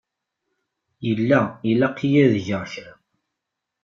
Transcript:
Yella ilaq-iyi ad geɣ kra.